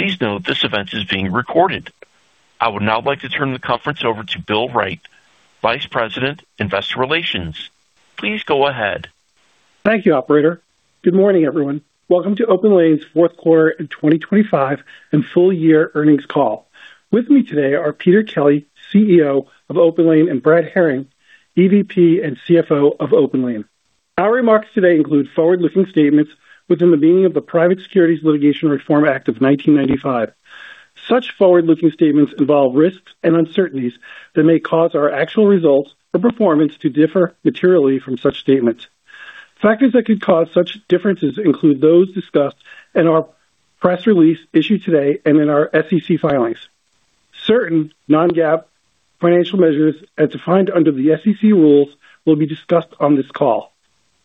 Please note this event is being recorded. I would now like to turn the conference over to Bill Wright, Vice President, Investor Relations. Please go ahead. Thank you, operator. Good morning, everyone. Welcome to OPENLANE's fourth quarter in 2025 and full year earnings call. With me today are Peter Kelly, CEO of OPENLANE, and Brad Herring, EVP and CFO of OPENLANE. Our remarks today include forward-looking statements within the meaning of the Private Securities Litigation Reform Act of 1995. Such forward-looking statements involve risks and uncertainties that may cause our actual results or performance to differ materially from such statements. Factors that could cause such differences include those discussed in our press release issued today and in our SEC filings. Certain non-GAAP financial measures, as defined under the SEC rules, will be discussed on this call.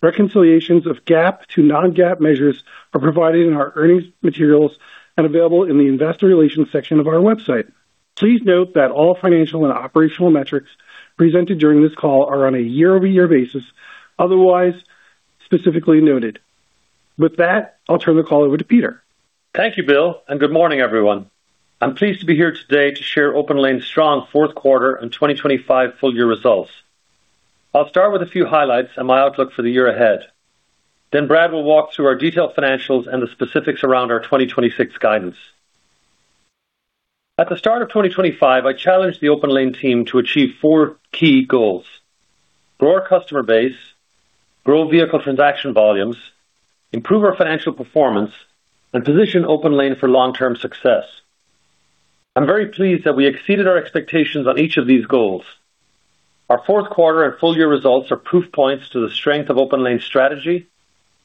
Reconciliations of GAAP to non-GAAP measures are provided in our earnings materials and available in the investor relations section of our website. Please note that all financial and operational metrics presented during this call are on a year-over-year basis, otherwise specifically noted. With that, I'll turn the call over to Peter. Thank you, Bill, and good morning, everyone. I'm pleased to be here today to share OPENLANE's strong fourth quarter and 2025 full year results. I'll start with a few highlights and my outlook for the year ahead. Then Brad will walk through our detailed financials and the specifics around our 2026 guidance. At the start of 2025, I challenged the OPENLANE team to achieve 4 key goals: grow our customer base, grow vehicle transaction volumes, improve our financial performance, and position OPENLANE for long-term success. I'm very pleased that we exceeded our expectations on each of these goals. Our fourth quarter and full year results are proof points to the strength of OPENLANE's strategy,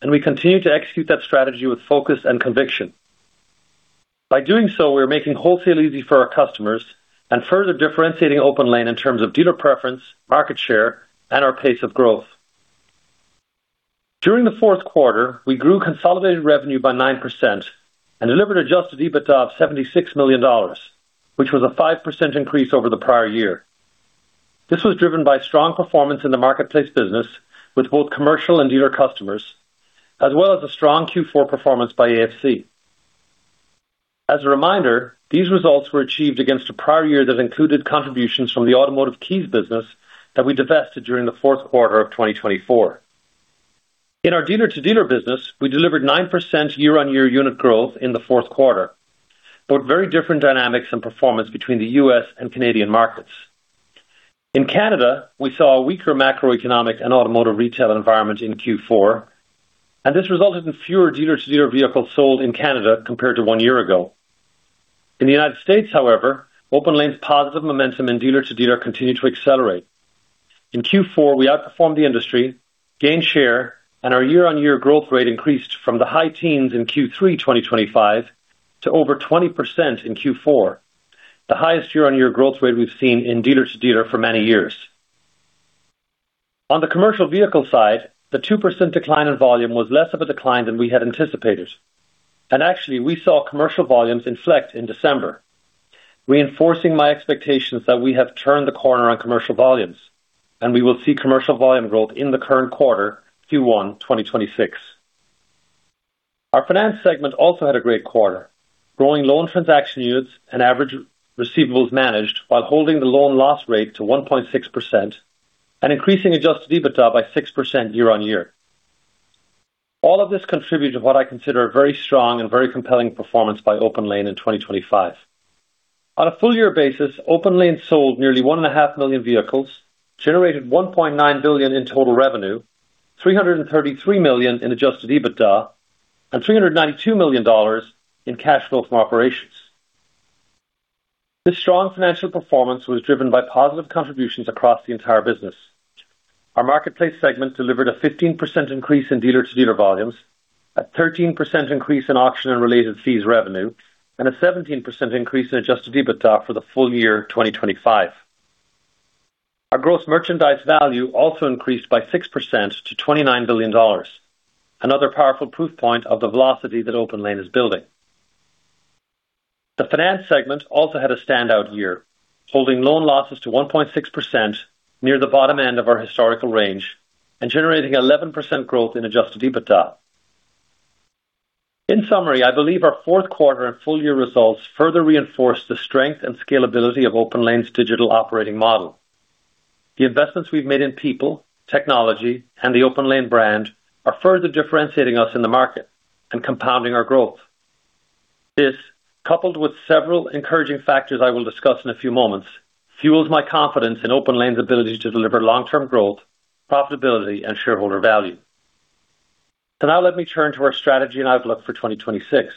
and we continue to execute that strategy with focus and conviction. By doing so, we're making wholesale easy for our customers and further differentiating OPENLANE in terms of dealer preference, market share, and our pace of growth. During the fourth quarter, we grew consolidated revenue by 9% and delivered Adjusted EBITDA of $76 million, which was a 5% increase over the prior year. This was driven by strong performance in the marketplace business with both commercial and dealer customers, as well as a strong Q4 performance by AFC. As a reminder, these results were achieved against a prior year that included contributions from the automotive keys business that we divested during the fourth quarter of 2024. In our dealer-to-dealer business, we delivered 9% year-on-year unit growth in the fourth quarter, but very different dynamics and performance between the U.S. and Canadian markets. In Canada, we saw a weaker macroeconomic and automotive retail environment in Q4, and this resulted in fewer dealer-to-dealer vehicles sold in Canada compared to one year ago. In the United States, however, OPENLANE's positive momentum in dealer-to-dealer continued to accelerate. In Q4, we outperformed the industry, gained share, and our year-on-year growth rate increased from the high teens in Q3 2025 to over 20% in Q4, the highest year-on-year growth rate we've seen in dealer-to-dealer for many years. On the commercial vehicle side, the 2% decline in volume was less of a decline than we had anticipated, and actually, we saw commercial volumes inflect in December, reinforcing my expectations that we have turned the corner on commercial volumes, and we will see commercial volume growth in the current quarter, Q1 2026. Our finance segment also had a great quarter, growing loan transaction units and average receivables managed, while holding the loan loss rate to 1.6% and increasing Adjusted EBITDA by 6% year-over-year. All of this contributes to what I consider a very strong and very compelling performance by OPENLANE in 2025. On a full year basis, OPENLANE sold nearly 1.5 million vehicles, generated $1.9 billion in total revenue, $333 million in Adjusted EBITDA, and $392 million in cash flow from operations. This strong financial performance was driven by positive contributions across the entire business. Our marketplace segment delivered a 15% increase in dealer-to-dealer volumes, a 13% increase in auction and related fees revenue, and a 17% increase in Adjusted EBITDA for the full year 2025. Our gross merchandise value also increased by 6% to $29 billion. Another powerful proof point of the velocity that OPENLANE is building. The finance segment also had a standout year, holding loan losses to 1.6%, near the bottom end of our historical range, and generating 11% growth in Adjusted EBITDA. In summary, I believe our fourth quarter and full year results further reinforce the strength and scalability of OPENLANE's digital operating model. The investments we've made in people, technology, and the OPENLANE brand are further differentiating us in the market and compounding our growth. This, coupled with several encouraging factors I will discuss in a few moments, fuels my confidence in OPENLANE's ability to deliver long-term growth, profitability, and shareholder value. Now let me turn to our strategy and outlook for 2026.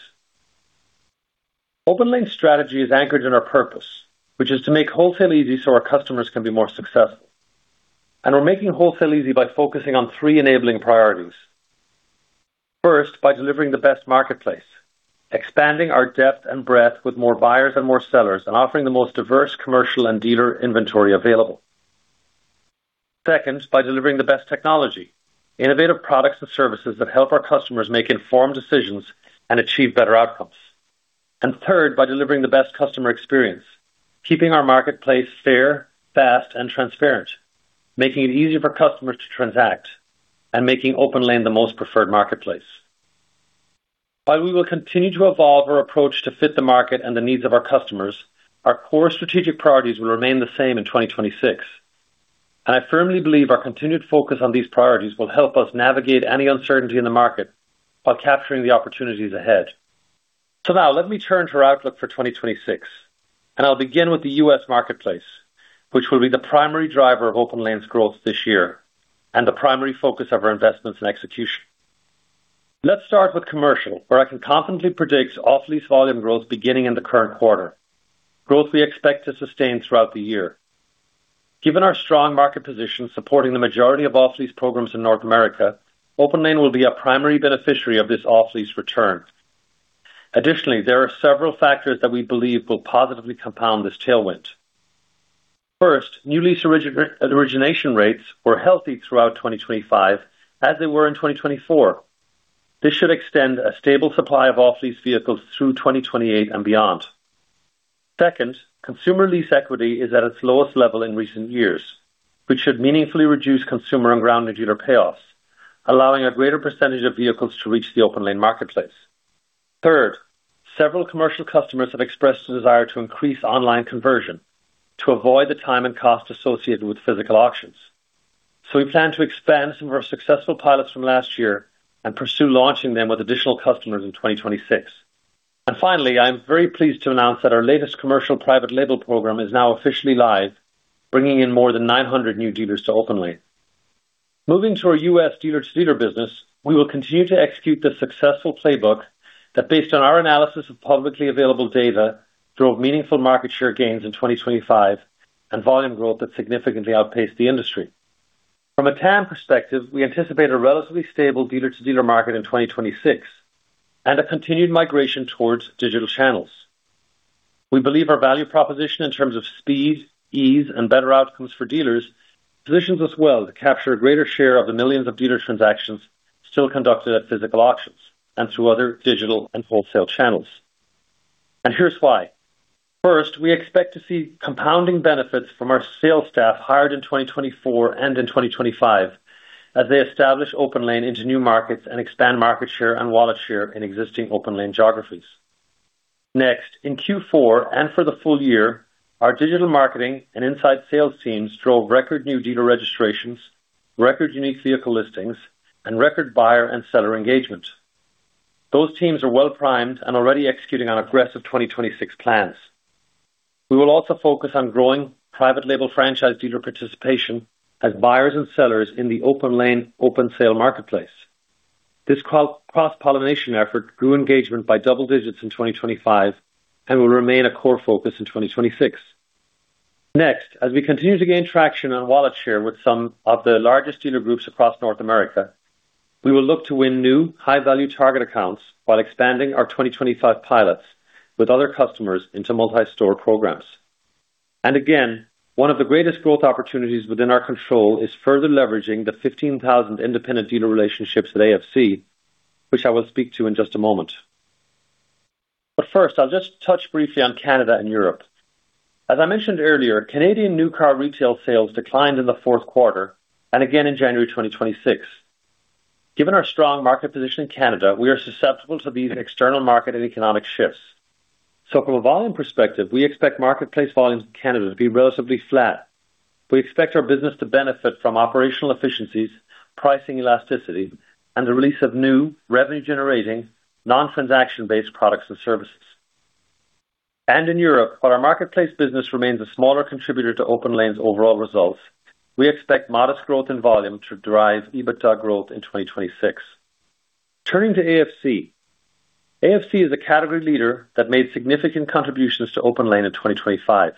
OPENLANE's strategy is anchored in our purpose, which is to make wholesale easy so our customers can be more successful. And we're making wholesale easy by focusing on three enabling priorities. First, by delivering the best marketplace, expanding our depth and breadth with more buyers and more sellers, and offering the most diverse commercial and dealer inventory available. Second, by delivering the best technology, innovative products and services that help our customers make informed decisions and achieve better outcomes. And third, by delivering the best customer experience, keeping our marketplace fair, fast, and transparent, making it easier for customers to transact... and making OPENLANE the most preferred marketplace. While we will continue to evolve our approach to fit the market and the needs of our customers, our core strategic priorities will remain the same in 2026. I firmly believe our continued focus on these priorities will help us navigate any uncertainty in the market while capturing the opportunities ahead. Now let me turn to our outlook for 2026, and I'll begin with the US marketplace, which will be the primary driver of OPENLANE's growth this year and the primary focus of our investments and execution. Let's start with commercial, where I can confidently predict off-lease volume growth beginning in the current quarter, growth we expect to sustain throughout the year. Given our strong market position, supporting the majority of off-lease programs in North America, OPENLANE will be a primary beneficiary of this off-lease return. Additionally, there are several factors that we believe will positively compound this tailwind. First, new lease origination rates were healthy throughout 2025, as they were in 2024. This should extend a stable supply of Off-Lease vehicles through 2028 and beyond. Second, consumer lease equity is at its lowest level in recent years, which should meaningfully reduce consumer and ground retailer payoffs, allowing a greater percentage of vehicles to reach the OPENLANE marketplace. Third, several commercial customers have expressed a desire to increase online conversion to avoid the time and cost associated with physical auctions. So we plan to expand some of our successful pilots from last year and pursue launching them with additional customers in 2026. And finally, I'm very pleased to announce that our latest commercial private-label program is now officially live, bringing in more than 900 new dealers to OPENLANE. Moving to our U.S. dealer-to-dealer business, we will continue to execute the successful playbook that, based on our analysis of publicly available data, drove meaningful market share gains in 2025 and volume growth that significantly outpaced the industry. From a TAM perspective, we anticipate a relatively stable dealer-to-dealer market in 2026 and a continued migration towards digital channels. We believe our value proposition in terms of speed, ease, and better outcomes for dealers, positions us well to capture a greater share of the millions of dealer transactions still conducted at physical auctions and through other digital and wholesale channels. And here's why. First, we expect to see compounding benefits from our sales staff hired in 2024 and in 2025, as they establish OPENLANE into new markets and expand market share and wallet share in existing OPENLANE geographies. Next, in Q4 and for the full year, our digital marketing and inside sales teams drove record new dealer registrations, record unique vehicle listings, and record buyer and seller engagement. Those teams are well-primed and already executing on aggressive 2026 plans. We will also focus on growing private label franchise dealer participation as buyers and sellers in the OPENLANE open sale marketplace. This cross-pollination effort grew engagement by double digits in 2025 and will remain a core focus in 2026. Next, as we continue to gain traction on wallet share with some of the largest dealer groups across North America, we will look to win new high-value target accounts while expanding our 2025 pilots with other customers into multi-store programs. And again, one of the greatest growth opportunities within our control is further leveraging the 15,000 independent dealer relationships at AFC, which I will speak to in just a moment. But first, I'll just touch briefly on Canada and Europe. As I mentioned earlier, Canadian new car retail sales declined in the fourth quarter and again in January 2026. Given our strong market position in Canada, we are susceptible to these external market and economic shifts. So from a volume perspective, we expect marketplace volumes in Canada to be relatively flat. We expect our business to benefit from operational efficiencies, pricing elasticity, and the release of new revenue-generating, non-transaction-based products and services. And in Europe, while our marketplace business remains a smaller contributor to OPENLANE's overall results, we expect modest growth in volume to drive EBITDA growth in 2026. Turning to AFC. AFC is a category leader that made significant contributions to OPENLANE in 2025.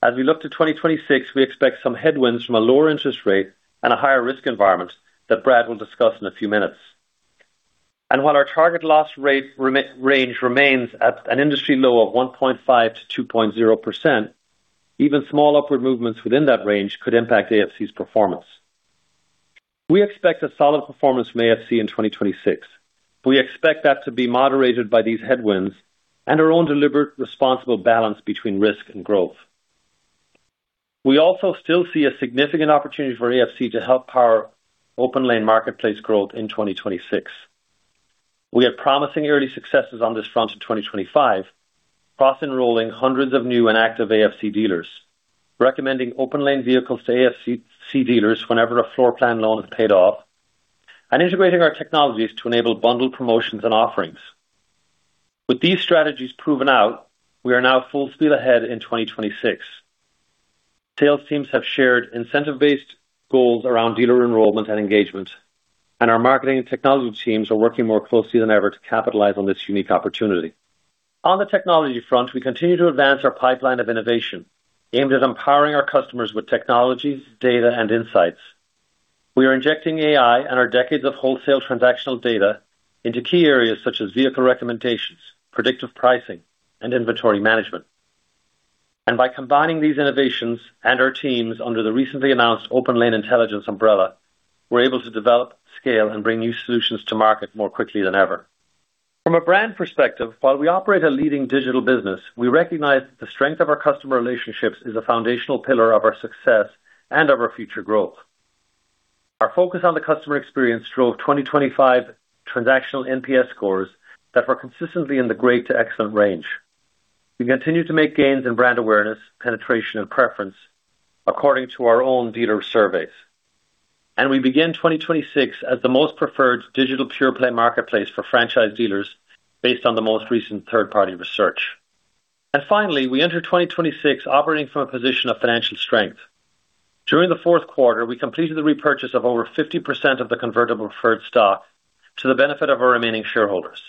As we look to 2026, we expect some headwinds from a lower interest rate and a higher risk environment that Brad will discuss in a few minutes. And while our target loss rate range remains at an industry low of 1.5%-2.0%, even small upward movements within that range could impact AFC's performance. We expect a solid performance from AFC in 2026. We expect that to be moderated by these headwinds and our own deliberate, responsible balance between risk and growth. We also still see a significant opportunity for AFC to help power OPENLANE marketplace growth in 2026. We had promising early successes on this front in 2025, cross-enrolling hundreds of new and active AFC dealers, recommending OPENLANE vehicles to AFC dealers whenever a floor plan loan is paid off, and integrating our technologies to enable bundled promotions and offerings. With these strategies proven out, we are now full speed ahead in 2026. Sales teams have shared incentive-based goals around dealer enrollment and engagement, and our marketing and technology teams are working more closely than ever to capitalize on this unique opportunity. On the technology front, we continue to advance our pipeline of innovation aimed at empowering our customers with technologies, data, and insights. We are injecting AI and our decades of wholesale transactional data into key areas such as vehicle recommendations, predictive pricing, and inventory management. By combining these innovations and our teams under the recently announced OPENLANE Intelligence umbrella, we're able to develop, scale, and bring new solutions to market more quickly than ever. From a brand perspective, while we operate a leading digital business, we recognize the strength of our customer relationships is a foundational pillar of our success and of our future growth. Our focus on the customer experience drove 2025 transactional NPS scores that were consistently in the great to excellent range. We continue to make gains in brand awareness, penetration, and preference, according to our own dealer surveys, and we begin 2026 as the most preferred digital pure play marketplace for franchise dealers based on the most recent third-party research. Finally, we enter 2026 operating from a position of financial strength. During the fourth quarter, we completed the repurchase of over 50% of the convertible preferred stock to the benefit of our remaining shareholders.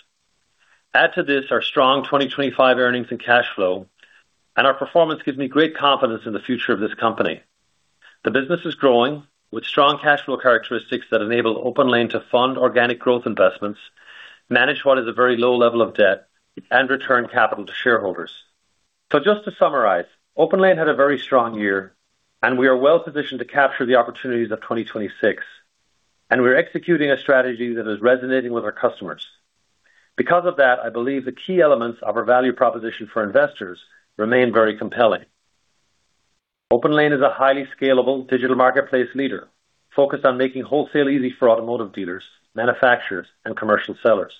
Add to this our strong 2025 earnings and cash flow, and our performance gives me great confidence in the future of this company. The business is growing with strong cash flow characteristics that enable OPENLANE to fund organic growth investments, manage what is a very low level of debt, and return capital to shareholders. So just to summarize, OPENLANE had a very strong year, and we are well positioned to capture the opportunities of 2026, and we're executing a strategy that is resonating with our customers. Because of that, I believe the key elements of our value proposition for investors remain very compelling. OPENLANE is a highly scalable digital marketplace leader, focused on making wholesale easy for automotive dealers, manufacturers, and commercial sellers.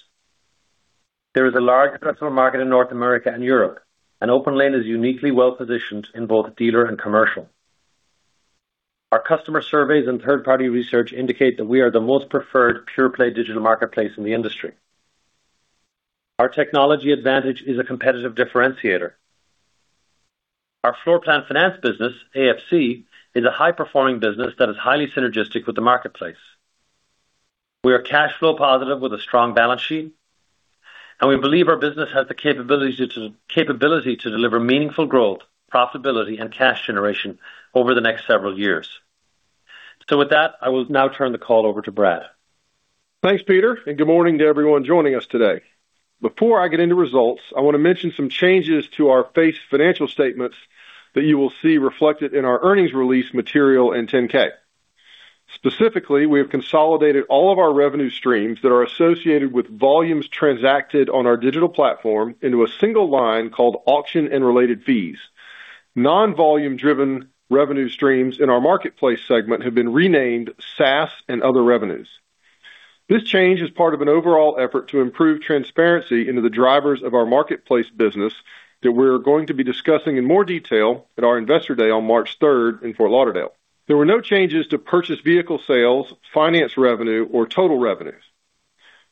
There is a large addressable market in North America and Europe, and OPENLANE is uniquely well positioned in both dealer and commercial. Our customer surveys and third-party research indicate that we are the most preferred pure play digital marketplace in the industry. Our technology advantage is a competitive differentiator. Our floor plan finance business, AFC, is a high-performing business that is highly synergistic with the marketplace. We are cash flow positive with a strong balance sheet, and we believe our business has the capability to deliver meaningful growth, profitability, and cash generation over the next several years. So with that, I will now turn the call over to Brad. Thanks, Peter, and good morning to everyone joining us today. Before I get into results, I want to mention some changes to our fiscal financial statements that you will see reflected in our earnings release material and 10-K. Specifically, we have consolidated all of our revenue streams that are associated with volumes transacted on our digital platform into a single line called Auction and Related Fees. Non-volume driven revenue streams in our marketplace segment have been renamed SaaS and Other Revenues. This change is part of an overall effort to improve transparency into the drivers of our marketplace business that we're going to be discussing in more detail at our Investor Day on March third in Fort Lauderdale. There were no changes to purchase vehicle sales, finance revenue, or total revenues.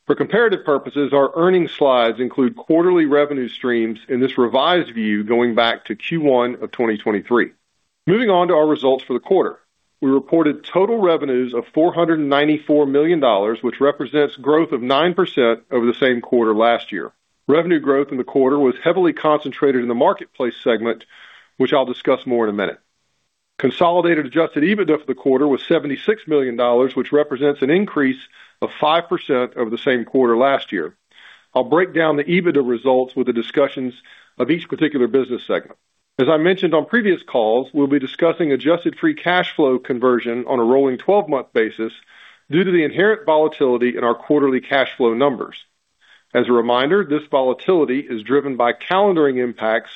For comparative purposes, our earnings slides include quarterly revenue streams in this revised view, going back to Q1 of 2023. Moving on to our results for the quarter. We reported total revenues of $494 million, which represents growth of 9% over the same quarter last year. Revenue growth in the quarter was heavily concentrated in the marketplace segment, which I'll discuss more in a minute. Consolidated Adjusted EBITDA for the quarter was $76 million, which represents an increase of 5% over the same quarter last year. I'll break down the EBITDA results with the discussions of each particular business segment. As I mentioned on previous calls, we'll be discussing Adjusted Free Cash Flow conversion on a rolling 12-month basis due to the inherent volatility in our quarterly cash flow numbers. As a reminder, this volatility is driven by calendaring impacts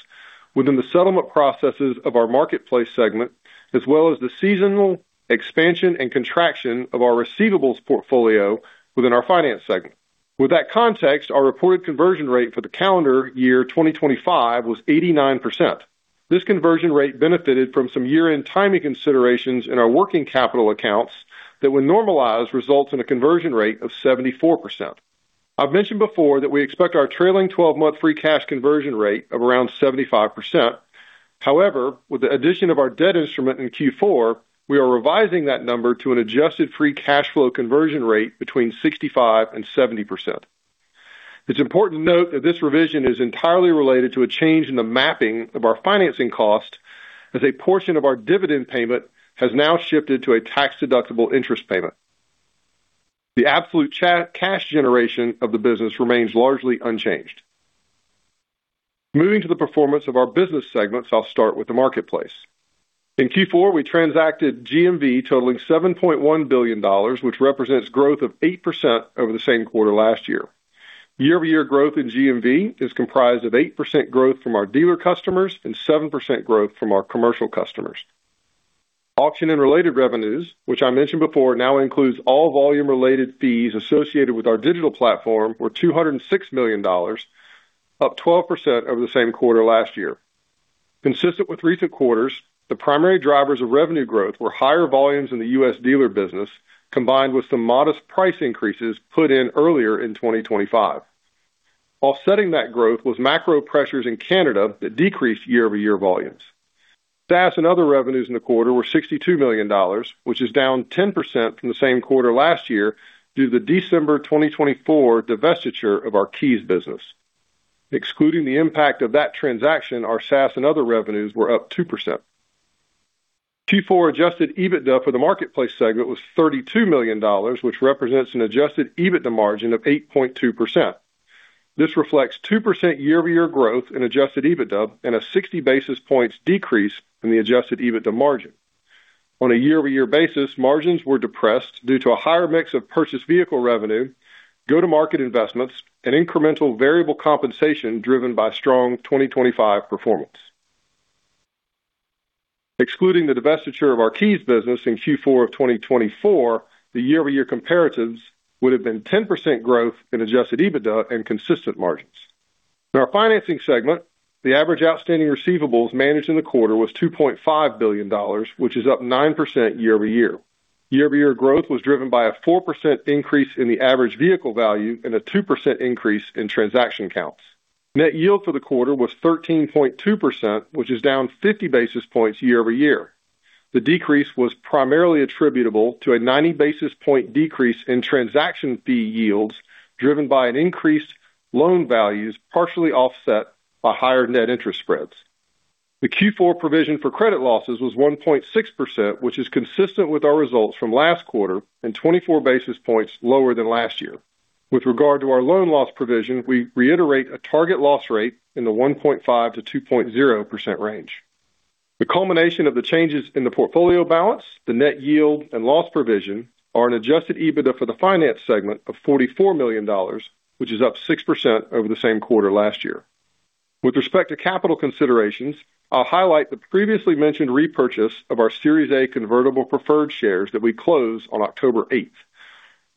within the settlement processes of our marketplace segment, as well as the seasonal expansion and contraction of our receivables portfolio within our finance segment. With that context, our reported conversion rate for the calendar year 2025 was 89%. This conversion rate benefited from some year-end timing considerations in our working capital accounts that, when normalized, results in a conversion rate of 74%. I've mentioned before that we expect our trailing twelve-month free cash conversion rate of around 75%. However, with the addition of our debt instrument in Q4, we are revising that number to an Adjusted Free Cash Flow conversion rate between 65% and 70%. It's important to note that this revision is entirely related to a change in the mapping of our financing cost, as a portion of our dividend payment has now shifted to a tax-deductible interest payment. The absolute cash generation of the business remains largely unchanged. Moving to the performance of our business segments, I'll start with the marketplace. In Q4, we transacted GMV totaling $7.1 billion, which represents growth of 8% over the same quarter last year. Year-over-year growth in GMV is comprised of 8% growth from our dealer customers and 7% growth from our commercial customers. Auction and related revenues, which I mentioned before, now includes all volume-related fees associated with our digital platform, were $206 million, up 12% over the same quarter last year. Consistent with recent quarters, the primary drivers of revenue growth were higher volumes in the U.S. dealer business, combined with some modest price increases put in earlier in 2025. Offsetting that growth was macro pressures in Canada that decreased year-over-year volumes. SaaS and other revenues in the quarter were $62 million, which is down 10% from the same quarter last year due to the December 2024 divestiture of our Keys business. Excluding the impact of that transaction, our SaaS and other revenues were up 2%. Q4 adjusted EBITDA for the marketplace segment was $32 million, which represents an adjusted EBITDA margin of 8.2%. This reflects 2% year-over-year growth in adjusted EBITDA and a 60 basis points decrease in the adjusted EBITDA margin. On a year-over-year basis, margins were depressed due to a higher mix of purchased vehicle revenue, go-to-market investments, and incremental variable compensation, driven by strong 2025 performance. Excluding the divestiture of our Keys business in Q4 of 2024, the year-over-year comparatives would have been 10% growth in adjusted EBITDA and consistent margins. In our financing segment, the average outstanding receivables managed in the quarter was $2.5 billion, which is up 9% year-over-year. Year-over-year growth was driven by a 4% increase in the average vehicle value and a 2% increase in transaction counts. Net yield for the quarter was 13.2%, which is down 50 basis points year-over-year. The decrease was primarily attributable to a 90 basis point decrease in transaction fee yields, driven by an increased loan values, partially offset by higher net interest spreads. The Q4 provision for credit losses was 1.6%, which is consistent with our results from last quarter and 24 basis points lower than last year. With regard to our loan loss provision, we reiterate a target loss rate in the 1.5%-2.0% range. The culmination of the changes in the portfolio balance, the net yield and loss provision, are an adjusted EBITDA for the finance segment of $44 million, which is up 6% over the same quarter last year. With respect to capital considerations, I'll highlight the previously mentioned repurchase of our Series A Convertible Preferred shares that we closed on October 8.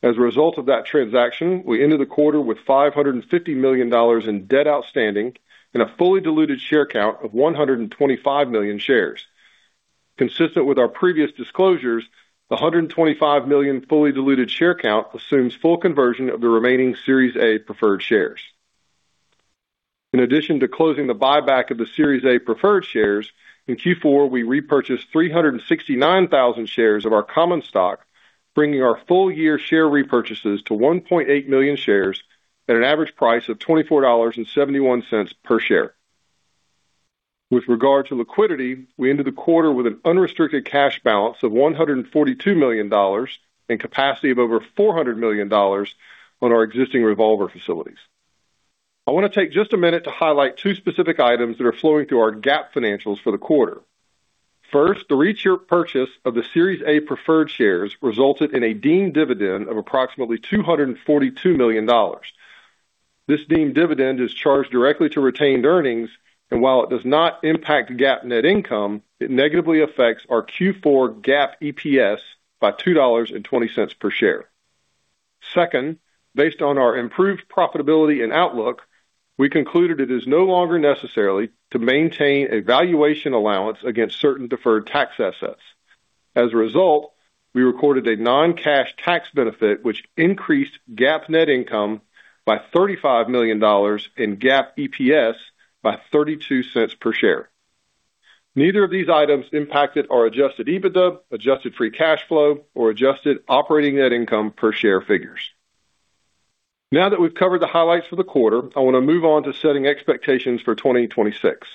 As a result of that transaction, we ended the quarter with $550 million in debt outstanding and a fully diluted share count of 125 million shares. Consistent with our previous disclosures, the 125 million fully diluted share count assumes full conversion of the remaining Series A preferred shares. In addition to closing the buyback of the Series A preferred shares, in Q4, we repurchased 369,000 shares of our common stock, bringing our full year share repurchases to 1.8 million shares at an average price of $24.71 per share. With regard to liquidity, we ended the quarter with an unrestricted cash balance of $142 million and capacity of over $400 million on our existing revolver facilities. I want to take just a minute to highlight two specific items that are flowing through our GAAP financials for the quarter. First, the recent purchase of the Series A preferred shares resulted in a deemed dividend of approximately $242 million. This deemed dividend is charged directly to retained earnings, and while it does not impact GAAP net income, it negatively affects our Q4 GAAP EPS by $2.20 per share. Second, based on our improved profitability and outlook, we concluded it is no longer necessary to maintain a valuation allowance against certain deferred tax assets. As a result, we recorded a non-cash tax benefit, which increased GAAP net income by $35 million in GAAP EPS by $0.32 per share. Neither of these items impacted our adjusted EBITDA, Adjusted Free Cash Flow, or Adjusted Operating Net income per share figures. Now that we've covered the highlights for the quarter, I want to move on to setting expectations for 2026.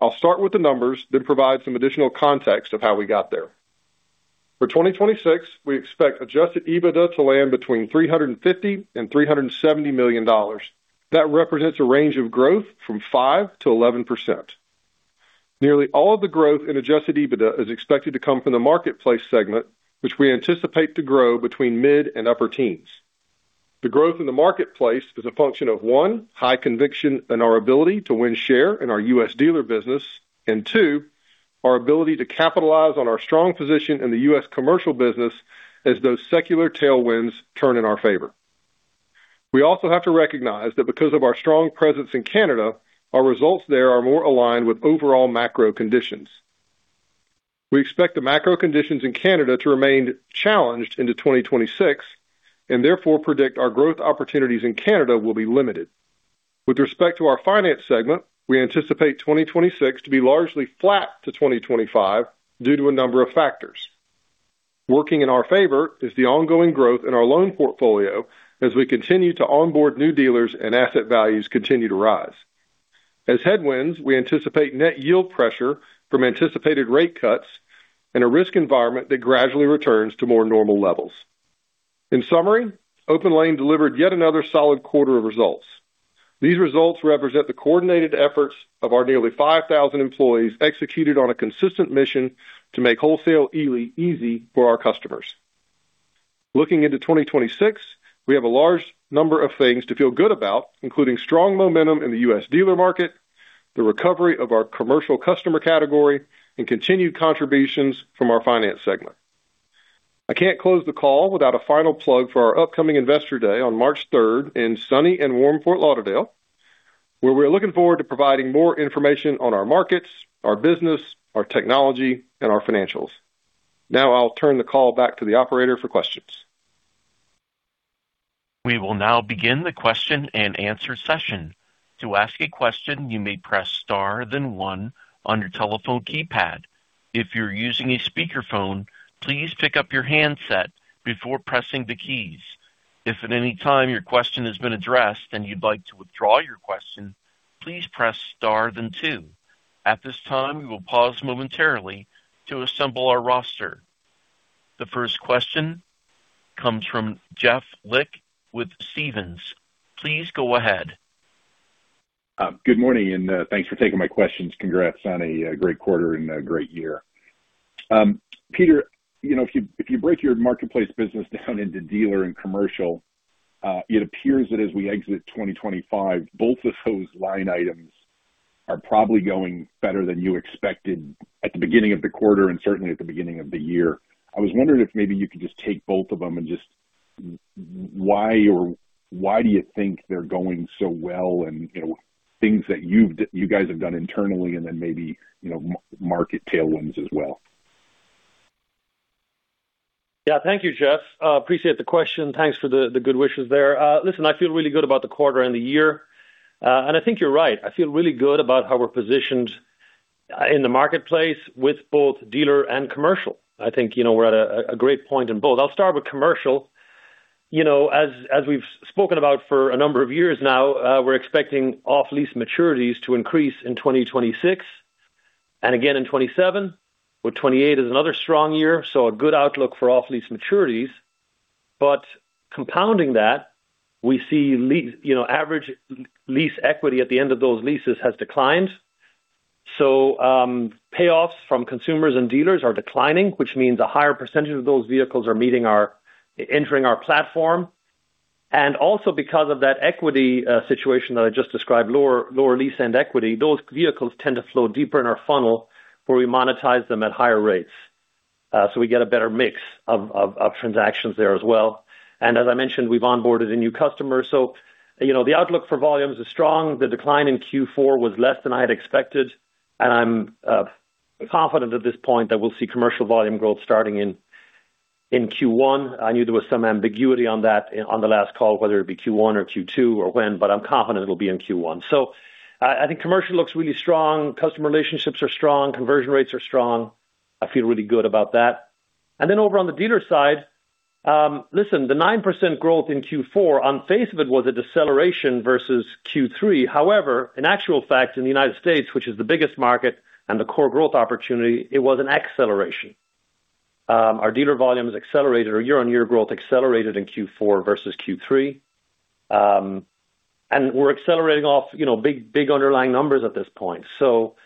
I'll start with the numbers, then provide some additional context of how we got there. For 2026, we expect adjusted EBITDA to land between $350 million and $370 million. That represents a range of growth from 5%-11%. Nearly all of the growth in adjusted EBITDA is expected to come from the marketplace segment, which we anticipate to grow between mid-teens and upper-teens. The growth in the marketplace is a function of, one, high conviction in our ability to win share in our U.S. dealer business, and two, our ability to capitalize on our strong position in the U.S. commercial business as those secular tailwinds turn in our favor. We also have to recognize that because of our strong presence in Canada, our results there are more aligned with overall macro conditions. We expect the macro conditions in Canada to remain challenged into 2026 and therefore predict our growth opportunities in Canada will be limited. With respect to our finance segment, we anticipate 2026 to be largely flat to 2025 due to a number of factors. Working in our favor is the ongoing growth in our loan portfolio as we continue to onboard new dealers and asset values continue to rise. As headwinds, we anticipate net yield pressure from anticipated rate cuts and a risk environment that gradually returns to more normal levels. In summary, OPENLANE delivered yet another solid quarter of results. These results represent the coordinated efforts of our nearly 5,000 employees, executed on a consistent mission to make wholesale really easy for our customers. Looking into 2026, we have a large number of things to feel good about, including strong momentum in the U.S. dealer market, the recovery of our commercial customer category, and continued contributions from our finance segment. I can't close the call without a final plug for our upcoming Investor Day on March 3, in sunny and warm Fort Lauderdale, where we're looking forward to providing more information on our markets, our business, our technology, and our financials. Now, I'll turn the call back to the operator for questions. We will now begin the question-and-answer session. To ask a question, you may press star, then one on your telephone keypad. If you're using a speakerphone, please pick up your handset before pressing the keys. If at any time your question has been addressed and you'd like to withdraw your question, please press star then two. At this time, we will pause momentarily to assemble our roster. The first question comes from Jeff Lick with Stephens. Please go ahead. Good morning, and thanks for taking my questions. Congrats on a great quarter and a great year. Peter, you know, if you, if you break your marketplace business down into dealer and commercial, it appears that as we exit 2025, both of those line items are probably going better than you expected at the beginning of the quarter, and certainly at the beginning of the year. I was wondering if maybe you could just take both of them and just why or why do you think they're going so well, and, you know, things that you've you guys have done internally, and then maybe, you know, market tailwinds as well? Yeah. Thank you, Jeff. Appreciate the question. Thanks for the good wishes there. Listen, I feel really good about the quarter and the year. And I think you're right. I feel really good about how we're positioned in the marketplace with both dealer and commercial. I think, you know, we're at a great point in both. I'll start with commercial. You know, as we've spoken about for a number of years now, we're expecting off-lease maturities to increase in 2026, and again in 2027, with 2028 is another strong year, so a good outlook for off-lease maturities. But compounding that, we see, you know, average lease equity at the end of those leases has declined. So, payoffs from consumers and dealers are declining, which means a higher percentage of those vehicles are meeting our entering our platform. And also because of that equity situation that I just described, lower, lower lease and equity, those vehicles tend to flow deeper in our funnel, where we monetize them at higher rates. So we get a better mix of, of transactions there as well. And as I mentioned, we've onboarded a new customer. So, you know, the outlook for volumes is strong. The decline in Q4 was less than I had expected, and I'm confident at this point that we'll see commercial volume growth starting in Q1. I knew there was some ambiguity on that, on the last call, whether it be Q1 or Q2 or when, but I'm confident it'll be in Q1. So I think commercial looks really strong. Customer relationships are strong. Conversion rates are strong. I feel really good about that. And then over on the dealer side, listen, the 9% growth in Q4 on face of it was a deceleration versus Q3. However, in actual fact, in the United States, which is the biggest market and the core growth opportunity, it was an acceleration. Our dealer volumes accelerated, our year-on-year growth accelerated in Q4 versus Q3. And we're accelerating off, you know, big, big underlying numbers at this point. So,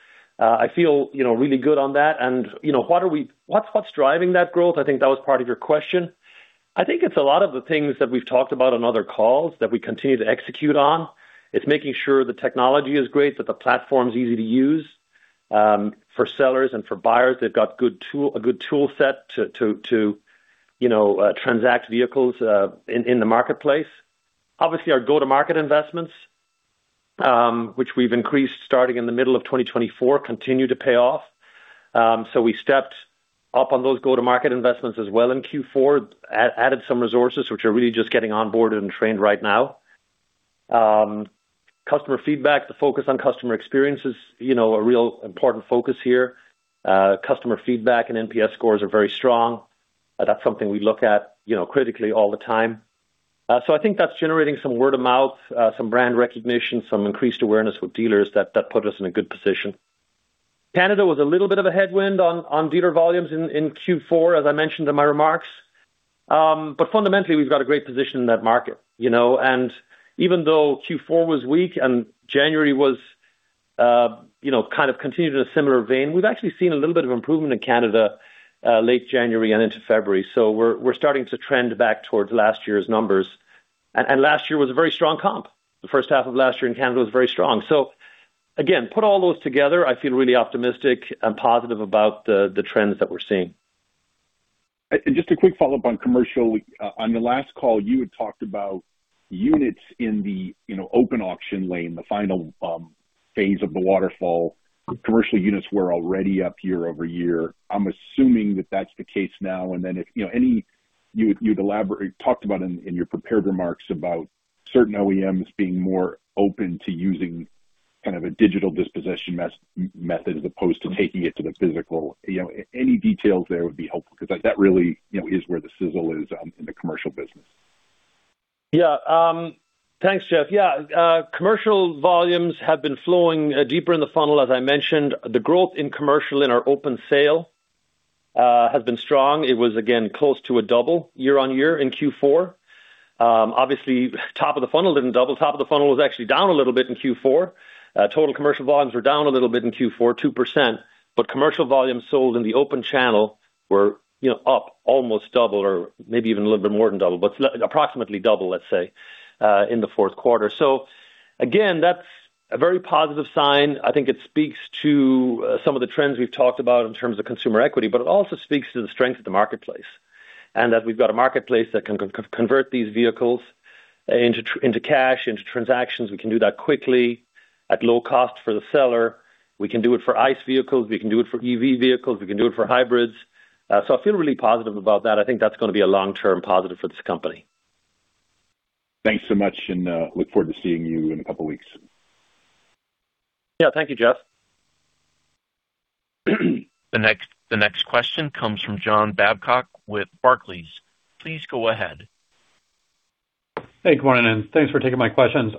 I feel, you know, really good on that. And, you know, what's driving that growth? I think that was part of your question. I think it's a lot of the things that we've talked about on other calls that we continue to execute on. It's making sure the technology is great, that the platform's easy to use, for sellers and for buyers. They've got a good tool set to, you know, transact vehicles in the marketplace. Obviously, our go-to-market investments, which we've increased starting in the middle of 2024, continue to pay off. So we stepped up on those go-to-market investments as well in Q4. And added some resources, which are really just getting onboarded and trained right now. Customer feedback, the focus on customer experience is, you know, a real important focus here. Customer feedback and NPS scores are very strong. That's something we look at, you know, critically all the time. So I think that's generating some word of mouth, some brand recognition, some increased awareness with dealers, that put us in a good position. Canada was a little bit of a headwind on dealer volumes in Q4, as I mentioned in my remarks. But fundamentally, we've got a great position in that market, you know? And even though Q4 was weak and January was, you know, kind of continued in a similar vein, we've actually seen a little bit of improvement in Canada, late January and into February. So we're starting to trend back towards last year's numbers. And last year was a very strong comp. The first half of last year in Canada was very strong. So again, put all those together, I feel really optimistic and positive about the trends that we're seeing. Just a quick follow-up on commercial. On your last call, you had talked about units in the, you know, open auction lane, the final phase of the waterfall. Commercial units were already up year-over-year. I'm assuming that that's the case now, and then if, you know, any. You'd elaborate talked about in your prepared remarks about certain OEMs being more open to using kind of a digital disposition method as opposed to taking it to the physical. You know, any details there would be helpful, because that really, you know, is where the sizzle is in the commercial business. Yeah. Thanks, Jeff. Yeah, commercial volumes have been flowing deeper in the funnel, as I mentioned. The growth in commercial in our open sale has been strong. It was, again, close to a double year-on-year in Q4. Obviously, top of the funnel didn't double. Top of the funnel was actually down a little bit in Q4. Total commercial volumes were down a little bit in Q4, 2%, but commercial volumes sold in the open channel were, you know, up almost double or maybe even a little bit more than double, but approximately double, let's say, in the fourth quarter. So again, that's a very positive sign. I think it speaks to some of the trends we've talked about in terms of consumer equity, but it also speaks to the strength of the marketplace, and that we've got a marketplace that can convert these vehicles into cash, into transactions. We can do that quickly, at low cost for the seller. We can do it for ICE vehicles. We can do it for EV vehicles. We can do it for hybrids. So I feel really positive about that. I think that's going to be a long-term positive for this company. Thanks so much, and look forward to seeing you in a couple weeks. Yeah. Thank you, Jeff. The next question comes from John Babcock with Barclays. Please go ahead. Hey, good morning, and thanks for taking my questions.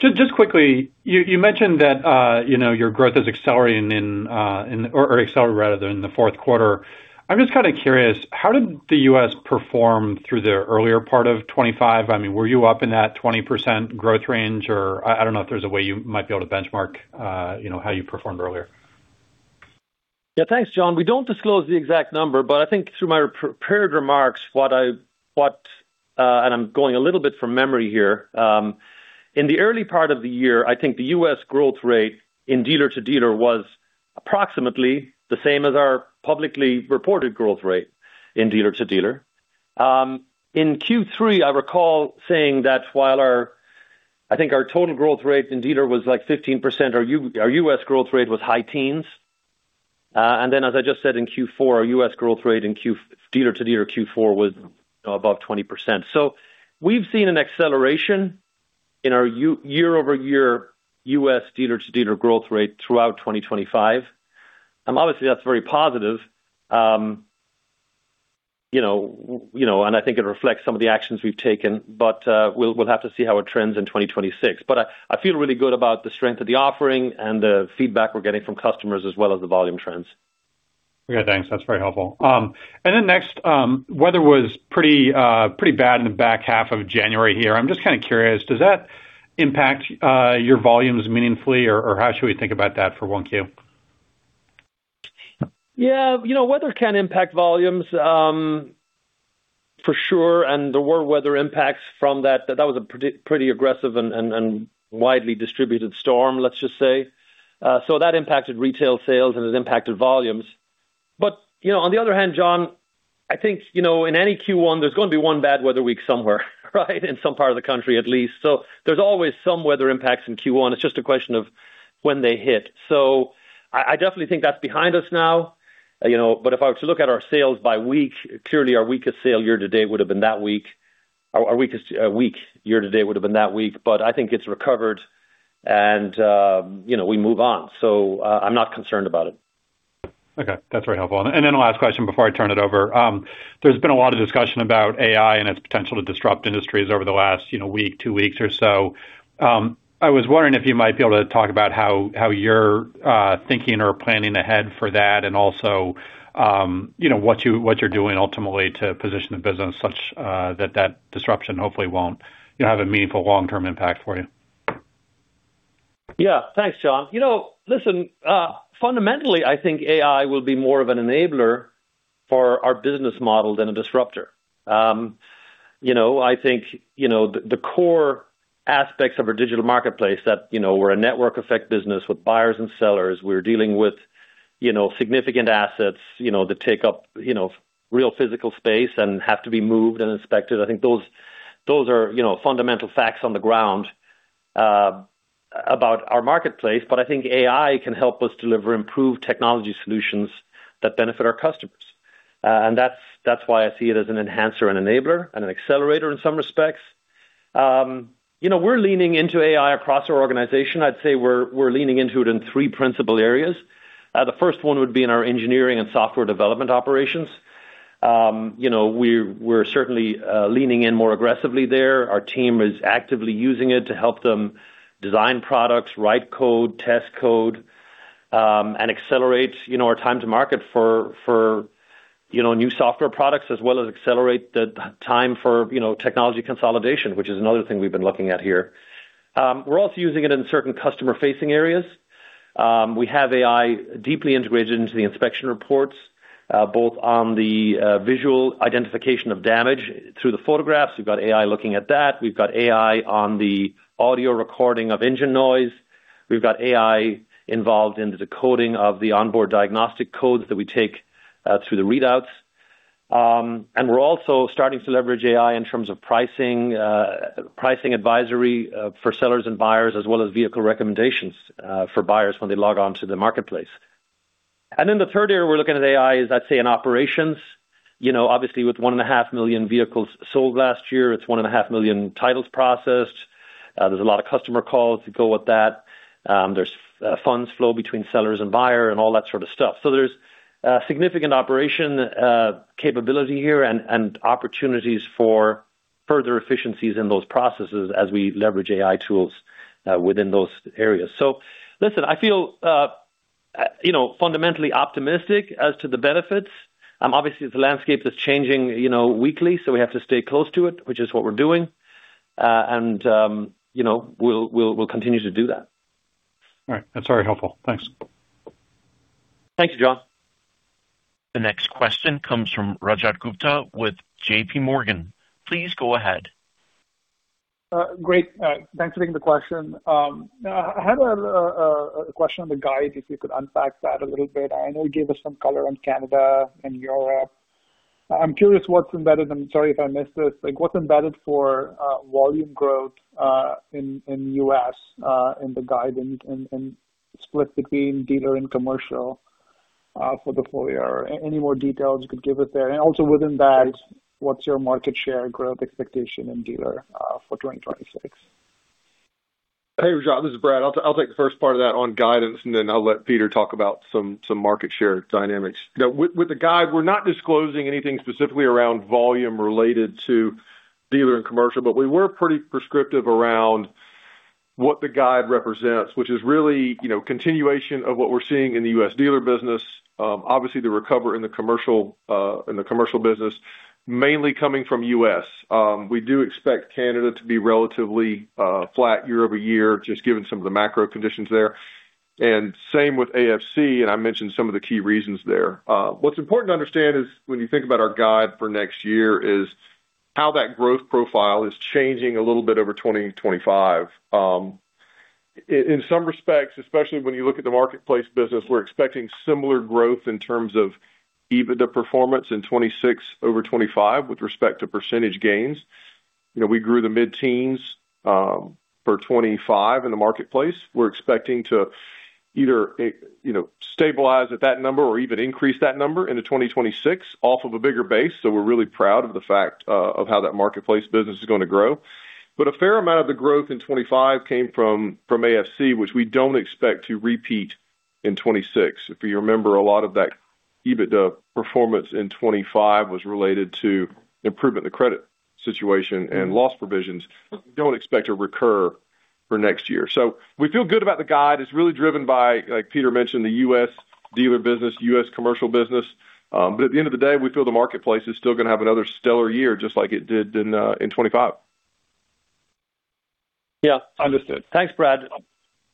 Just quickly, you mentioned that you know, your growth is accelerating, or rather, accelerated, in the fourth quarter. I'm just kind of curious, how did the U.S. perform through the earlier part of 2025? I mean, were you up in that 20% growth range, or I don't know if there's a way you might be able to benchmark, you know, how you performed earlier?... Yeah, thanks, John. We don't disclose the exact number, but I think through my pre-prepared remarks, and I'm going a little bit from memory here, in the early part of the year, I think the U.S. growth rate in dealer to dealer was approximately the same as our publicly reported growth rate in dealer to dealer. In Q3, I recall saying that while our total growth rate in dealer was, like, 15%, our U.S. growth rate was high teens. And then, as I just said, in Q4, our U.S. growth rate in dealer to dealer Q4 was above 20%. So we've seen an acceleration in our year-over-year U.S. dealer to dealer growth rate throughout 2025. Obviously, that's very positive. You know, you know, and I think it reflects some of the actions we've taken, but we'll have to see how it trends in 2026. But I feel really good about the strength of the offering and the feedback we're getting from customers as well as the volume trends. Okay, thanks. That's very helpful. And then next, weather was pretty, pretty bad in the back half of January here. I'm just kind of curious, does that impact your volumes meaningfully, or how should we think about that for 1Q? Yeah, you know, weather can impact volumes, for sure, and there were weather impacts from that. That was a pretty aggressive and widely distributed storm, let's just say. So that impacted retail sales, and it impacted volumes. But, you know, on the other hand, John, I think, you know, in any Q1, there's going to be one bad weather week somewhere, right? In some part of the country at least. So there's always some weather impacts in Q1. It's just a question of when they hit. So I definitely think that's behind us now, you know, but if I were to look at our sales by week, clearly, our weakest sale year to date would have been that week. Our weakest week, year to date would have been that week, but I think it's recovered and, you know, we move on. So, I'm not concerned about it. Okay. That's very helpful. Then last question before I turn it over. There's been a lot of discussion about AI and its potential to disrupt industries over the last, you know, week, two weeks or so. I was wondering if you might be able to talk about how you're thinking or planning ahead for that and also, you know, what you're doing ultimately to position the business such that disruption hopefully won't, you know, have a meaningful long-term impact for you. Yeah. Thanks, John. You know, listen, fundamentally, I think AI will be more of an enabler for our business model than a disruptor. You know, I think, you know, the, the core aspects of our digital marketplace that, you know, we're a network effect business with buyers and sellers. We're dealing with, you know, significant assets, you know, that take up, you know, real physical space and have to be moved and inspected. I think those, those are, you know, fundamental facts on the ground, about our marketplace. But I think AI can help us deliver improved technology solutions that benefit our customers. And that's, that's why I see it as an enhancer and enabler and an accelerator in some respects. You know, we're leaning into AI across our organization. I'd say we're, we're leaning into it in three principal areas. The first one would be in our engineering and software development operations. You know, we're, we're certainly leaning in more aggressively there. Our team is actively using it to help them design products, write code, test code, and accelerate, you know, our time to market for, for, you know, new software products, as well as accelerate the time for, you know, technology consolidation, which is another thing we've been looking at here. We're also using it in certain customer-facing areas. We have AI deeply integrated into the inspection reports, both on the visual identification of damage through the photographs. We've got AI looking at that. We've got AI on the audio recording of engine noise. We've got AI involved in the decoding of the onboard diagnostic codes that we take through the readouts. And we're also starting to leverage AI in terms of pricing, pricing advisory, for sellers and buyers, as well as vehicle recommendations, for buyers when they log on to the marketplace. And then the third area we're looking at AI is, I'd say, in operations. You know, obviously, with 1.5 million vehicles sold last year, it's 1.5 million titles processed. There's a lot of customer calls to go with that. There's funds flow between sellers and buyer and all that sort of stuff. So there's significant operation capability here and opportunities for further efficiencies in those processes as we leverage AI tools within those areas. So listen, I feel, you know, fundamentally optimistic as to the benefits. Obviously, the landscape is changing, you know, weekly, so we have to stay close to it, which is what we're doing. You know, we'll continue to do that. All right. That's very helpful. Thanks. Thank you, John. The next question comes from Rajat Gupta with JP Morgan. Please go ahead. Great. Thanks for taking the question. I had a question on the guide, if you could unpack that a little bit. I know you gave us some color on Canada and Europe. I'm curious what's embedded, and sorry if I missed this, like, what's embedded for volume growth in the US in the guidance and split between dealer and commercial for the full year? Any more details you could give us there? And also within that, what's your market share growth expectation in dealer for 2026? Hey, Rajat, this is Brad. I'll take the first part of that on guidance, and then I'll let Peter talk about some market share dynamics. Now, with the guide, we're not disclosing anything specifically around volume related to dealer and commercial, but we were pretty prescriptive around what the guide represents, which is really, you know, continuation of what we're seeing in the U.S. dealer business. Obviously, the recovery in the commercial business, mainly coming from U.S. We do expect Canada to be relatively flat year-over-year, just given some of the macro conditions there. And same with AFC, and I mentioned some of the key reasons there. What's important to understand is when you think about our guide for next year, how that growth profile is changing a little bit over 2025. In some respects, especially when you look at the marketplace business, we're expecting similar growth in terms of EBITDA performance in 2026 over 2025, with respect to percentage gains. You know, we grew the mid-teens for 2025 in the marketplace. We're expecting to either, you know, stabilize at that number or even increase that number into 2026 off of a bigger base. So we're really proud of the fact, of how that marketplace business is going to grow. But a fair amount of the growth in 2025 came from, from AFC, which we don't expect to repeat in 2026. If you remember, a lot of that EBITDA performance in 2025 was related to improvement in the credit situation and loss provisions don't expect to recur for next year. So we feel good about the guide. It's really driven by, like Peter mentioned, the U.S. dealer business, U.S. commercial business. At the end of the day, we feel the marketplace is still going to have another stellar year, just like it did in 2025. Yeah, understood. Thanks, Brad.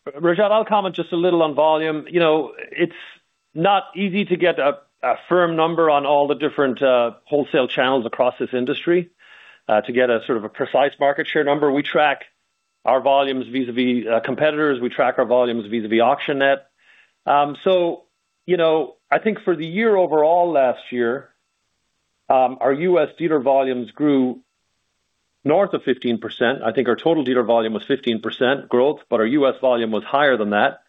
Rajat, I'll comment just a little on volume. You know, it's not easy to get a firm number on all the different wholesale channels across this industry to get a sort of a precise market share number. We track our volumes vis-a-vis competitors. We track our volumes vis-a-vis AuctionNet. So, you know, I think for the year overall last year, our U.S. dealer volumes grew north of 15%. I think our total dealer volume was 15% growth, but our U.S. volume was higher than that.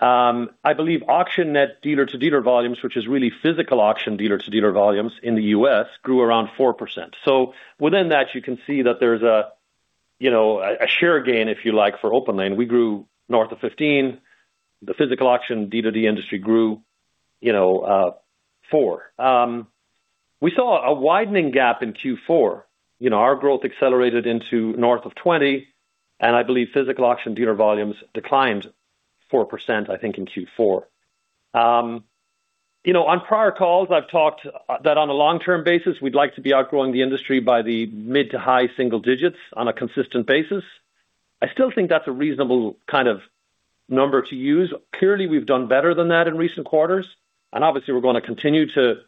I believe AuctionNet dealer-to-dealer volumes, which is really physical auction dealer-to-dealer volumes in the U.S., grew around 4%. So within that, you can see that there's a share gain, if you like, for OPENLANE. We grew north of 15%. The physical auction D2D industry grew, you know, 4%. We saw a widening gap in Q4. You know, our growth accelerated into north of 20, and I believe physical auction dealer volumes declined 4%, I think, in Q4. You know, on prior calls, I've talked that on a long-term basis, we'd like to be outgrowing the industry by the mid- to high-single digits on a consistent basis. I still think that's a reasonable kind of number to use. Clearly, we've done better than that in recent quarters, and obviously, we're going to continue to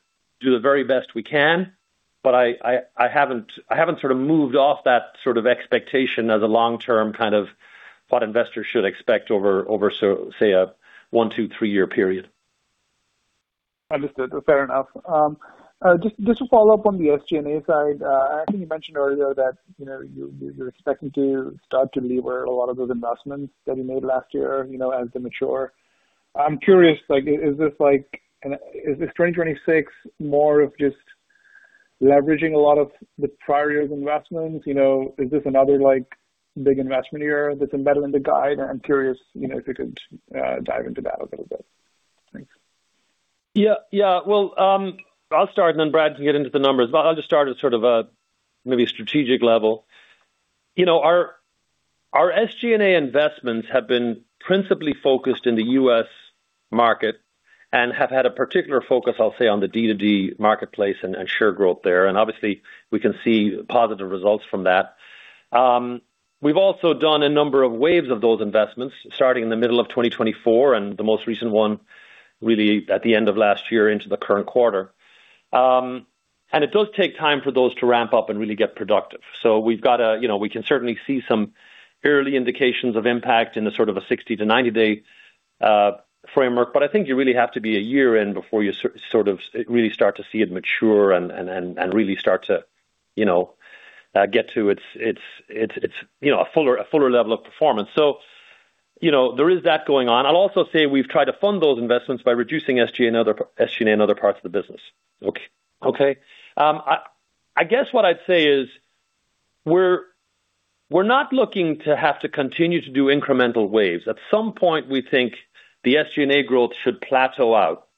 do the very best we can, but I haven't sort of moved off that sort of expectation as a long-term kind of what investors should expect over, say, a one, two, three-year period. Understood. Fair enough. Just to follow up on the SG&A side, I think you mentioned earlier that, you know, you're expecting to start to lever a lot of those investments that you made last year, you know, as they mature. I'm curious, like, is this like, is this 2026 more of just leveraging a lot of the prior year's investments? You know, is this another, like, big investment year that's embedded in the guide? I'm curious, you know, if you could dive into that a little bit. Thanks. Yeah. Yeah. Well, I'll start, and then Brad can get into the numbers. But I'll just start at sort of a maybe strategic level. You know, our, our SG&A investments have been principally focused in the U.S. market and have had a particular focus, I'll say, on the D2D marketplace and, and share growth there, and obviously we can see positive results from that. We've also done a number of waves of those investments, starting in the middle of 2024, and the most recent one, really at the end of last year into the current quarter. And it does take time for those to ramp up and really get productive. So we've got a... You know, we can certainly see some early indications of impact in a sort of a 60-90-day framework, but I think you really have to be a year in before you sort of really start to see it mature and really start to, you know, get to its, you know, a fuller level of performance. So, you know, there is that going on. I'll also say we've tried to fund those investments by reducing SG&A in other parts of the business. Okay? I guess what I'd say is, we're not looking to have to continue to do incremental waves. At some point, we think the SG&A growth should plateau out,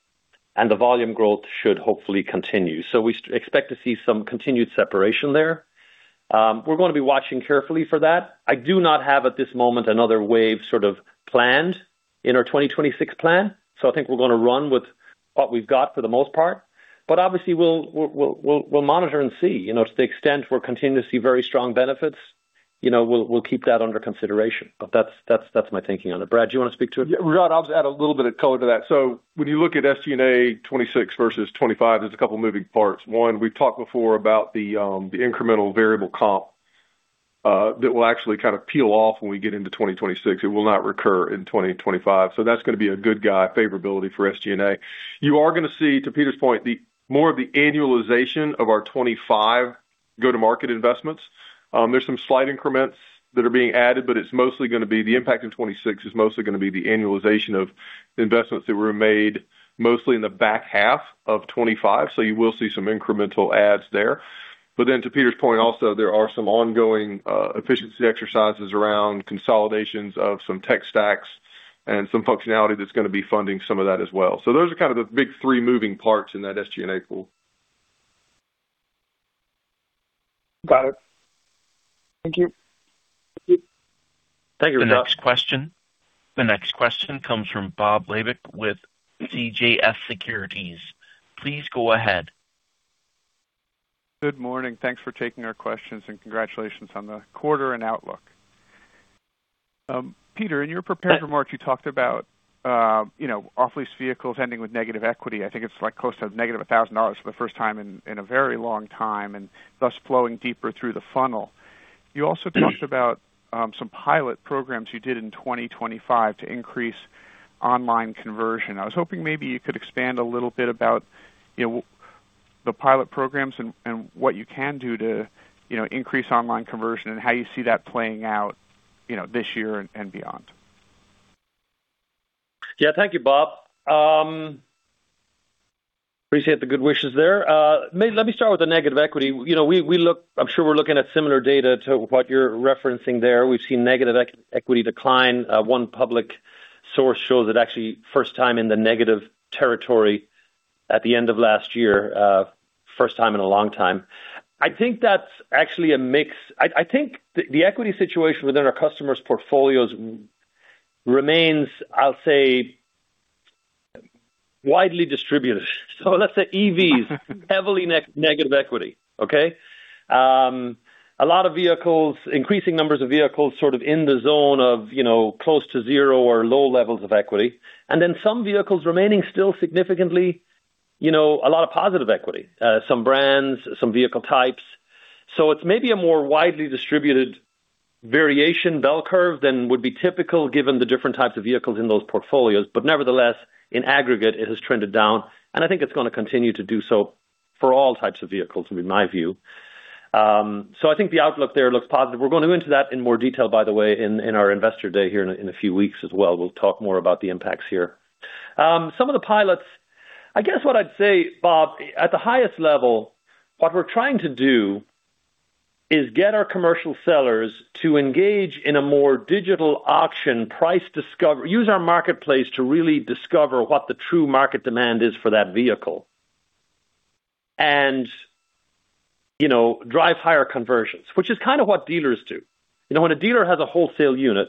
and the volume growth should hopefully continue. So we expect to see some continued separation there. We're going to be watching carefully for that. I do not have, at this moment, another wave sort of planned in our 2026 plan, so I think we're going to run with what we've got for the most part. But obviously we'll monitor and see. You know, to the extent we're continuing to see very strong benefits, you know, we'll keep that under consideration. But that's my thinking on it. Brad, do you want to speak to it? Yeah, Raj, I'll just add a little bit of color to that. So when you look at SG&A 26 versus 25, there's a couple moving parts. One, we've talked before about the incremental variable comp that will actually kind of peel off when we get into 2026. It will not recur in 2025. So that's going to be a good guy favorability for SG&A. You are going to see, to Peter's point, the more of the annualization of our 25 go-to-market investments. There's some slight increments that are being added, but it's mostly going to be the impact of 26 is mostly going to be the annualization of investments that were made mostly in the back half of 25, so you will see some incremental adds there. But then to Peter's point also, there are some ongoing, efficiency exercises around consolidations of some tech stacks and some functionality that's going to be funding some of that as well. So those are kind of the big three moving parts in that SG&A pool. Got it. Thank you. Thank you, Raj. The next question comes from Bob Labick with CJS Securities. Please go ahead. Good morning. Thanks for taking our questions, and congratulations on the quarter and outlook. Peter, in your prepared remarks, you talked about, you know, off-lease vehicles ending with negative equity. I think it's like close to -$1,000 for the first time in a very long time, and thus flowing deeper through the funnel. You also talked about some pilot programs you did in 2025 to increase online conversion. I was hoping maybe you could expand a little bit about, you know, the pilot programs and what you can do to, you know, increase online conversion and how you see that playing out, you know, this year and beyond. Yeah. Thank you, Bob. Appreciate the good wishes there. Let me start with the negative equity. You know, we look. I'm sure we're looking at similar data to what you're referencing there. We've seen negative equity decline. One public source shows that actually first time in the negative territory at the end of last year, first time in a long time. I think that's actually a mix. I think the equity situation within our customers' portfolios remains, I'll say, widely distributed. So let's say EVs. Heavily negative equity, okay? A lot of vehicles, increasing numbers of vehicles, sort of in the zone of, you know, close to zero or low levels of equity, and then some vehicles remaining still significantly, you know, a lot of positive equity, some brands, some vehicle types. So it's maybe a more widely distributed variation bell curve than would be typical, given the different types of vehicles in those portfolios. But nevertheless, in aggregate, it has trended down, and I think it's going to continue to do so for all types of vehicles, in my view. So I think the outlook there looks positive. We're going to go into that in more detail, by the way, in our investor day here in a few weeks as well. We'll talk more about the impacts here. I guess what I'd say, Bob, at the highest level, what we're trying to do is get our commercial sellers to engage in a more digital auction price discovery, use our marketplace to really discover what the true market demand is for that vehicle. And, you know, drive higher conversions, which is kind of what dealers do. You know, when a dealer has a wholesale unit,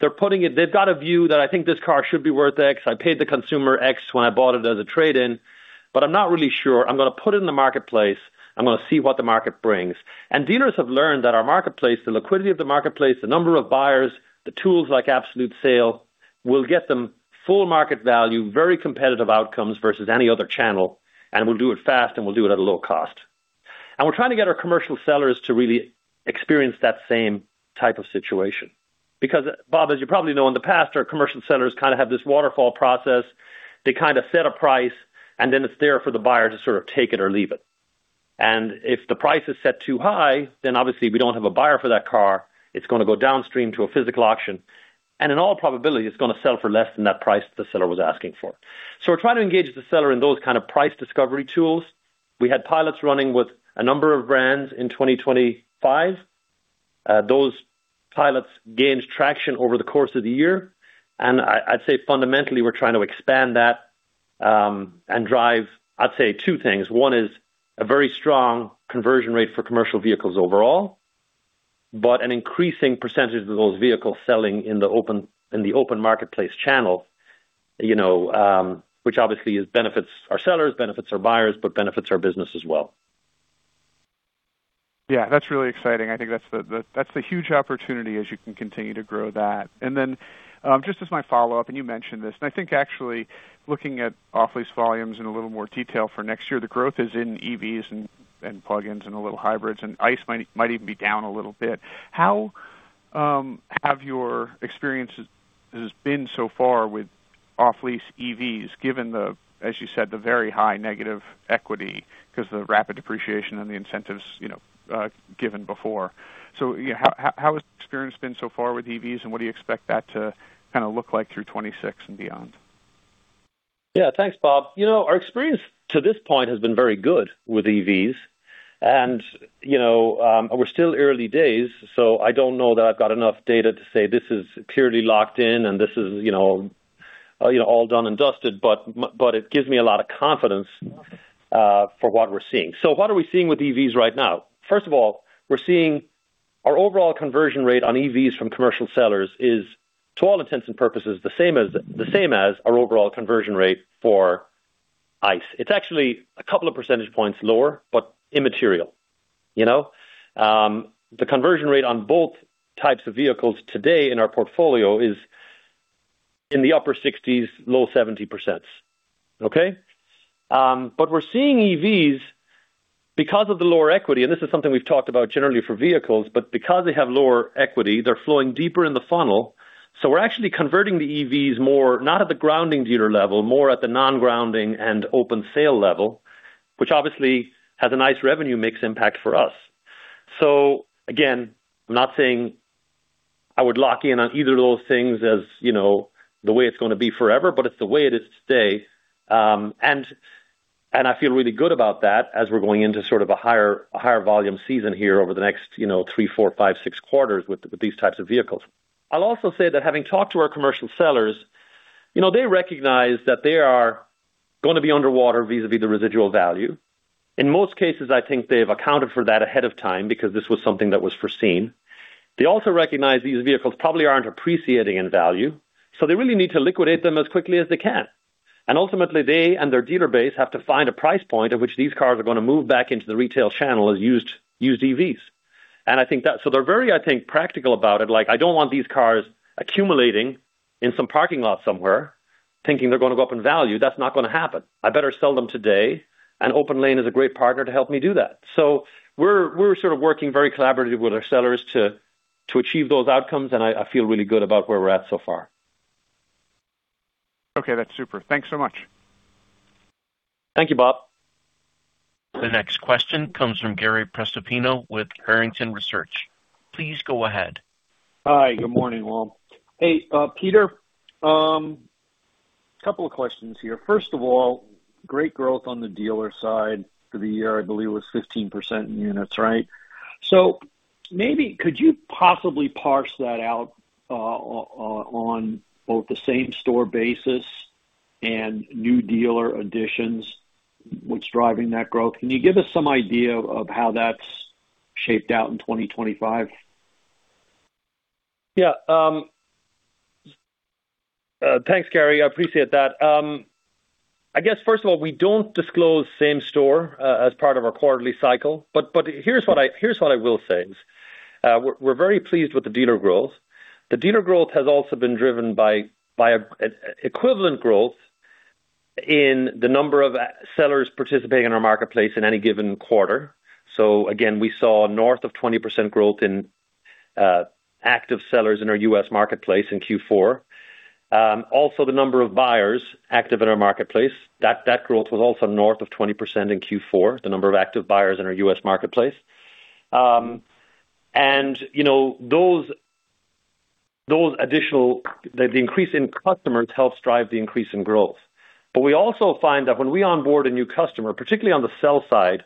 they're putting it, they've got a view that I think this car should be worth X. I paid the consumer X when I bought it as a trade-in, but I'm not really sure. I'm going to put it in the marketplace. I'm going to see what the market brings. And dealers have learned that our marketplace, the liquidity of the marketplace, the number of buyers, the tools like absolute sale, will get them full market value, very competitive outcomes versus any other channel, and we'll do it fast, and we'll do it at a low cost. And we're trying to get our commercial sellers to really experience that same type of situation. Because, Bob, as you probably know, in the past, our commercial sellers kind of have this waterfall process. They kind of set a price, and then it's there for the buyer to sort of take it or leave it. And if the price is set too high, then obviously we don't have a buyer for that car. It's going to go downstream to a physical auction, and in all probability, it's going to sell for less than that price the seller was asking for. So we're trying to engage the seller in those kind of price discovery tools. We had pilots running with a number of brands in 2025. Those pilots gained traction over the course of the year, and I'd say fundamentally, we're trying to expand that and drive, I'd say two things. One is a very strong conversion rate for commercial vehicles overall, but an increasing percentage of those vehicles selling in the open, in the open marketplace channel, you know, which obviously is benefits our sellers, benefits our buyers, but benefits our business as well. Yeah, that's really exciting. I think that's the huge opportunity as you can continue to grow that. And then, just as my follow-up, and you mentioned this, and I think actually looking at off-lease volumes in a little more detail for next year, the growth is in EVs and plugins and a little hybrids, and ICE might even be down a little bit. How, have your experiences been so far with off-lease EVs, given the, as you said, the very high negative equity because the rapid depreciation and the incentives, you know, given before? So, you know, how has the experience been so far with EVs, and what do you expect that to kinda look like through 2026 and beyond? Yeah. Thanks, Bob. You know, our experience to this point has been very good with EVs, and, you know, we're still early days, so I don't know that I've got enough data to say this is purely locked in and this is, you know, all done and dusted, but it gives me a lot of confidence for what we're seeing. So what are we seeing with EVs right now? First of all, we're seeing our overall conversion rate on EVs from commercial sellers is, to all intents and purposes, the same as, the same as our overall conversion rate for ICE. It's actually a couple of percentage points lower, but immaterial, you know. The conversion rate on both types of vehicles today in our portfolio is in the upper 60s, low 70s%, okay? But we're seeing EVs because of the lower equity, and this is something we've talked about generally for vehicles, but because they have lower equity, they're flowing deeper in the funnel. So we're actually converting the EVs more, not at the grounding dealer level, more at the non-grounding and open sale level, which obviously has a nice revenue mix impact for us. So again, I'm not saying I would lock in on either of those things, as, you know, the way it's going to be forever, but it's the way it is today. And I feel really good about that as we're going into sort of a higher volume season here over the next, you know, 3, 4, 5, 6 quarters with these types of vehicles. I'll also say that having talked to our commercial sellers, you know, they recognize that they are going to be underwater vis-a-vis the residual value. In most cases, I think they've accounted for that ahead of time because this was something that was foreseen. They also recognize these vehicles probably aren't appreciating in value, so they really need to liquidate them as quickly as they can. Ultimately, they and their dealer base have to find a price point at which these cars are going to move back into the retail channel as used, used EVs. And I think that, so they're very, I think, practical about it. Like, I don't want these cars accumulating in some parking lot somewhere, thinking they're going to go up in value. That's not going to happen. I better sell them today, and OPENLANE is a great partner to help me do that. So we're sort of working very collaboratively with our sellers to achieve those outcomes, and I feel really good about where we're at so far. Okay, that's super. Thanks so much. Thank you, Bob. The next question comes from Gary Prestopino with Barrington Research. Please go ahead. Hi, good morning, all. Hey, Peter, couple of questions here. First of all, great growth on the dealer side for the year. I believe it was 15% in units, right? So maybe could you possibly parse that out, on both the same store basis and new dealer additions? What's driving that growth? Can you give us some idea of how that's shaped out in 2025? Yeah. Thanks, Gary. I appreciate that. I guess, first of all, we don't disclose same store as part of our quarterly cycle, but here's what I will say. We're very pleased with the dealer growth. The dealer growth has also been driven by a equivalent growth in the number of sellers participating in our marketplace in any given quarter. So again, we saw north of 20% growth in active sellers in our U.S. marketplace in Q4. Also, the number of buyers active in our marketplace, that growth was also north of 20% in Q4, the number of active buyers in our U.S. marketplace. And, you know, those additional. The increase in customers helps drive the increase in growth. But we also find that when we onboard a new customer, particularly on the sell side,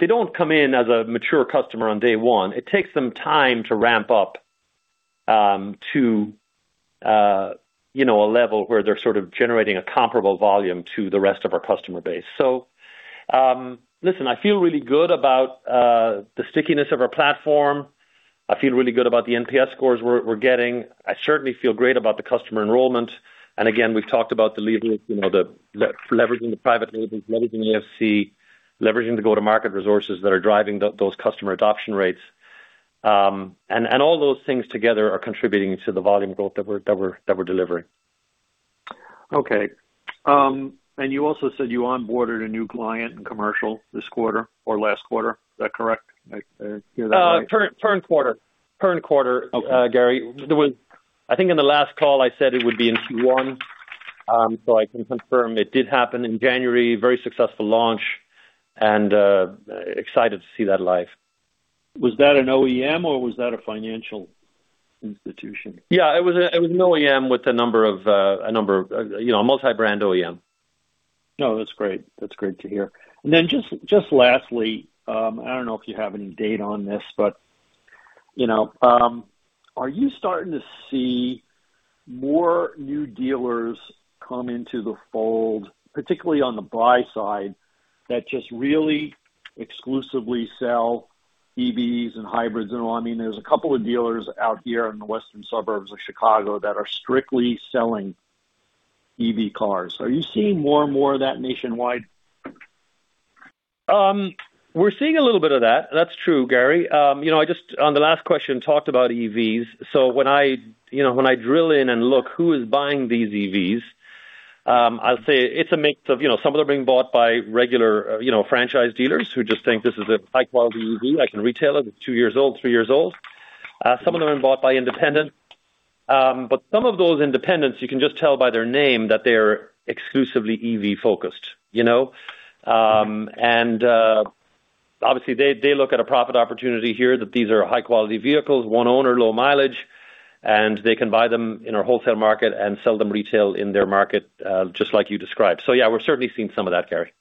they don't come in as a mature customer on day one. It takes them time to ramp up to you know a level where they're sort of generating a comparable volume to the rest of our customer base. So listen, I feel really good about the stickiness of our platform. I feel really good about the NPS scores we're getting. I certainly feel great about the customer enrollment. And again, we've talked about the labels, you know, the leveraging the private labels, leveraging AFC, leveraging the go-to-market resources that are driving those customer adoption rates. And all those things together are contributing to the volume growth that we're delivering. Okay. And you also said you onboarded a new client in commercial this quarter or last quarter. Is that correct? Did I hear that right? Current quarter, Gary. Okay. I think in the last call, I said it would be in Q1. So I can confirm it did happen in January. Very successful launch and excited to see that live. Was that an OEM or was that a financial institution? Yeah, it was an OEM with a number of, you know, a multi-brand OEM. No, that's great. That's great to hear. And then just, just lastly, I don't know if you have any data on this, but, you know, are you starting to see more new dealers come into the fold, particularly on the buy side, that just really exclusively sell EVs and hybrids and all? I mean, there's a couple of dealers out here in the western suburbs of Chicago that are strictly selling EV cars. Are you seeing more and more of that nationwide? We're seeing a little bit of that. That's true, Gary. You know, I just, on the last question, talked about EVs. So when I, you know, when I drill in and look who is buying these EVs, I'll say it's a mix of, you know, some of them are being bought by regular, you know, franchise dealers who just think this is a high quality EV. I can retail it. It's two years old, three years old. Some of them are bought by independents. But some of those independents, you can just tell by their name that they're exclusively EV focused, you know? Obviously, they look at a profit opportunity here, that these are high quality vehicles, one owner, low mileage, and they can buy them in our wholesale market and sell them retail in their market, just like you described. So yeah, we're certainly seeing some of that, Gary.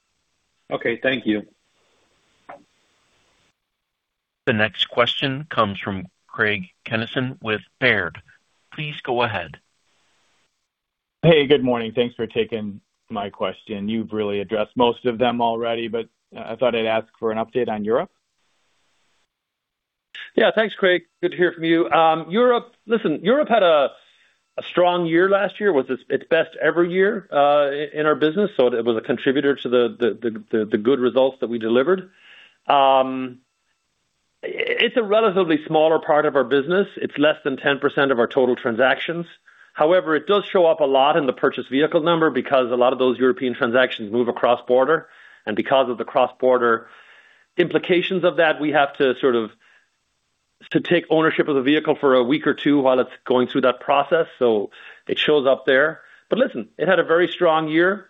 Okay, thank you. The next question comes from Craig Kennison with Baird. Please go ahead. Hey, good morning. Thanks for taking my question. You've really addressed most of them already, but I thought I'd ask for an update on Europe. Yeah. Thanks, Craig. Good to hear from you. Europe... Listen, Europe had a strong year last year, was its best ever year, in our business, so it was a contributor to the good results that we delivered. It's a relatively smaller part of our business. It's less than 10% of our total transactions. However, it does show up a lot in the purchased vehicle number because a lot of those European transactions move across border, and because of the cross-border implications of that, we have to sort of take ownership of the vehicle for a week or two while it's going through that process. So it shows up there. But listen, it had a very strong year.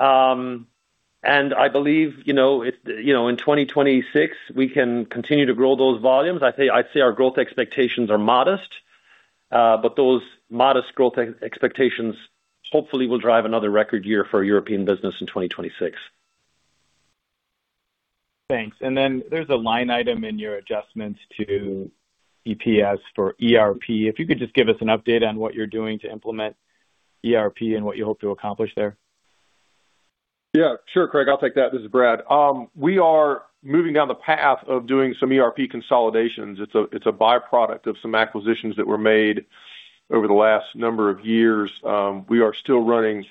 And I believe, you know, it, you know, in 2026, we can continue to grow those volumes. I'd say, I'd say our growth expectations are modest, but those modest growth expectations hopefully will drive another record year for European business in 2026. Thanks. And then there's a line item in your adjustments to EPS for ERP. If you could just give us an update on what you're doing to implement ERP and what you hope to accomplish there. Yeah, sure, Craig, I'll take that. This is Brad. We are moving down the path of doing some ERP consolidations. It's a byproduct of some acquisitions that were made over the last number of years. We are still running,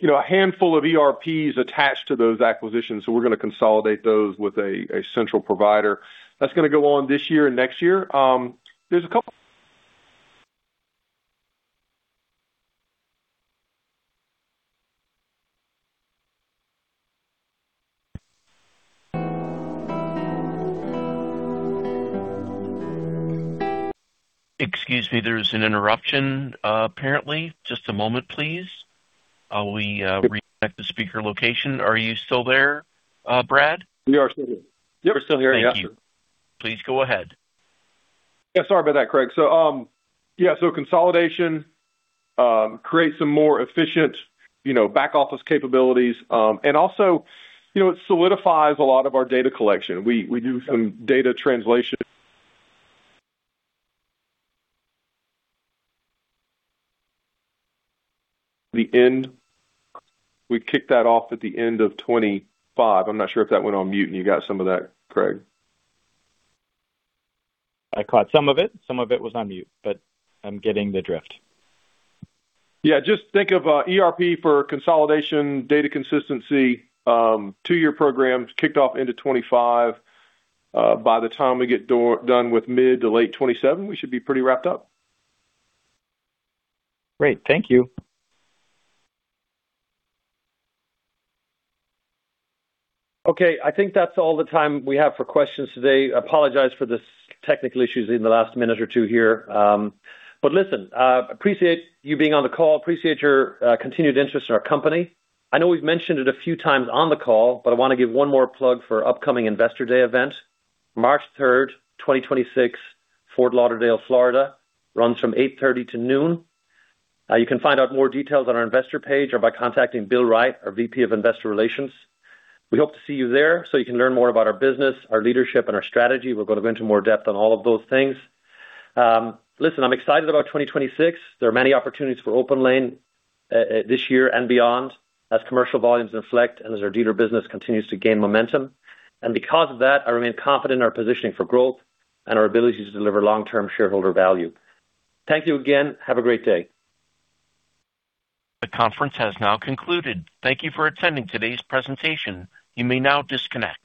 you know, a handful of ERPs attached to those acquisitions, so we're going to consolidate those with a central provider. That's going to go on this year and next year. There's a couple. Excuse me, there's an interruption, apparently. Just a moment, please. We reconnect the speaker location. Are you still there, Brad? We are still here. Yep, we're still here, yeah. Please go ahead. Yeah, sorry about that, Craig. So, yeah, so consolidation creates some more efficient, you know, back-office capabilities. And also, you know, it solidifies a lot of our data collection. We, we do some data translation. We kicked that off at the end of 2025. I'm not sure if that went on mute, and you got some of that, Craig. I caught some of it. Some of it was on mute, but I'm getting the drift. Yeah, just think of ERP for consolidation, data consistency, two-year programs kicked off into 2025. By the time we get done with mid- to late 2027, we should be pretty wrapped up. Great. Thank you. Okay. I think that's all the time we have for questions today. I apologize for this technical issues in the last minute or two here. But listen, appreciate you being on the call. Appreciate your, continued interest in our company. I know we've mentioned it a few times on the call, but I want to give one more plug for upcoming Investor Day event, March 3rd, 2026, Fort Lauderdale, Florida. Runs from 8:30 A.M. to noon. You can find out more details on our investor page or by contacting Bill Wright, our VP of Investor Relations. We hope to see you there, so you can learn more about our business, our leadership, and our strategy. We're going to go into more depth on all of those things. Listen, I'm excited about 2026. There are many opportunities for OPENLANE this year and beyond, as commercial volumes inflect and as our dealer business continues to gain momentum. Because of that, I remain confident in our positioning for growth and our ability to deliver long-term shareholder value. Thank you again. Have a great day. The conference has now concluded. Thank you for attending today's presentation. You may now disconnect.